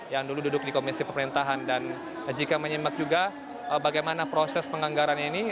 yang dulu duduk di komisi pemerintahan dan jika menyimak juga bagaimana proses penganggaran ini